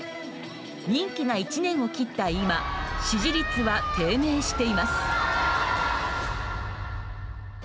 任期が１年を切った今支持率は低迷しています。